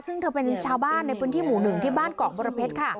ซึ่งเธอเป็นชาวบ้านในพื้นที่หมู่๑ที่บ้านเกาะบรเพชรค่ะ